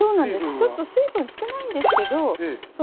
ちょっと水分少ないんですけど。